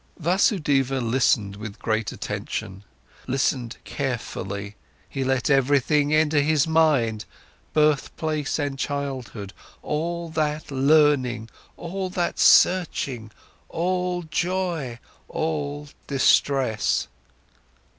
Vasudeva listened with great attention. Listening carefully, he let everything enter his mind, birthplace and childhood, all that learning, all that searching, all joy, all distress.